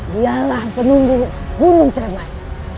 dialah penumbuh gunung cermai